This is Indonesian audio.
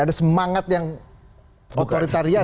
ada semangat yang otoritarian